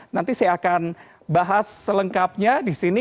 nanti saya akan bahas selengkapnya di sini